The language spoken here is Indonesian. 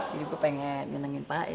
jadi gue pengen nyenengin pak e